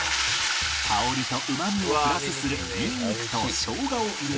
香りとうまみをプラスするニンニクと生姜を入れて